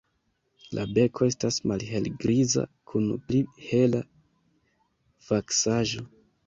La beko estas malhelgriza kun pli hela vaksaĵo.